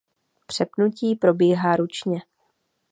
Přepnutí probíhá ručně.